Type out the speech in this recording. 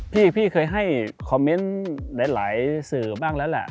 พี่เคยให้คอมเมนต์หลายสื่อบ้างแล้วแหละ